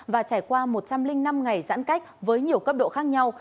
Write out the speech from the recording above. và trải qua một trăm linh năm ngày giãn cách với nhiều cấp độ khác nhau